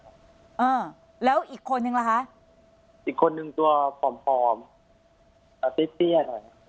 อ่าแล้วอีกคนนึงล่ะคะอีกคนนึงตัวผอมผอมอ่าเตี้ยหน่อย